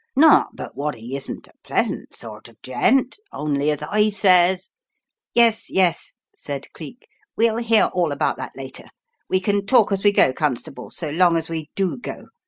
Not but what he isn't a pleas ant sort of gent, only as I says " "Yes, yes," said Cleek, "we'll hear all about that later. We can talk as we go, constable, so long as we do go.